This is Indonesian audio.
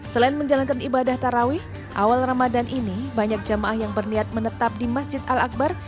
selain menjalankan ibadah tarawih awal ramadan ini banyak jamaah yang berniat menetap di masjid al akbar